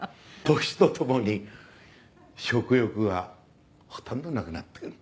年と共に食欲がほとんどなくなってくる。